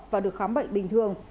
và được khám bệnh bình thường